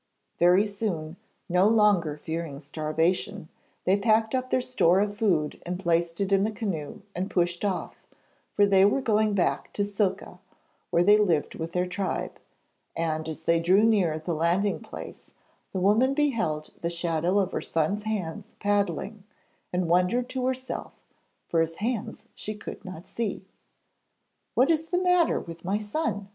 Very soon, no longer fearing starvation, they packed up their store of food and placed it in the canoe and pushed off, for they were going back to Silka where they lived with their tribe. And as they drew near the landing place, the woman beheld the shadow of her son's hands paddling, and wondered to herself, for his hands she could not see. 'What is the matter with my son?'